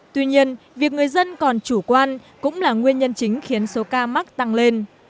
tuy nhiên việc người dân còn chủ quan cũng là nguyên nhân chính khiến số ca mắc tăng lên